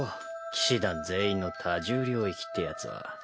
騎士団全員の多重領域ってやつは。